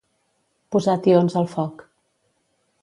Posar tions al foc.